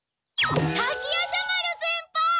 滝夜叉丸先輩！